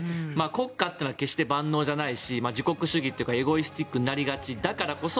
国家というのは決して万能じゃないし自国主義とかエゴイスティックになりがちだからこそ